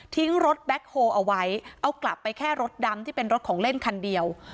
รถแบ็คโฮลเอาไว้เอากลับไปแค่รถดำที่เป็นรถของเล่นคันเดียว